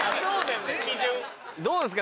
どうですか？